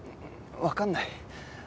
わかんない。